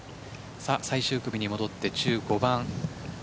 最終組に戻って１５番。